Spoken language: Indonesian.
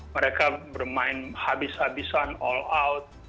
mereka bermain habis habisan all out